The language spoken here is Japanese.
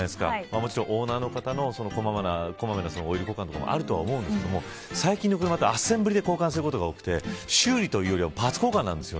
もちろん、オーナーの方の小まめなオイル交換とかもあると思うんですけど最近の車てアセンブルに交換することが多くて修理というよりパーツ交換なんです。